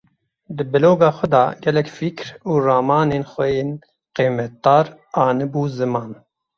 Di bloga xwe de gelek fikr û ramanên xwe yên qîmetdar anîbû ziman.